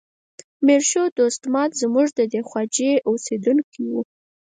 میر شو دوست ماد زموږ د ده خواجې اوسیدونکی و.